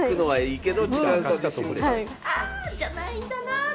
あ、じゃないんだな。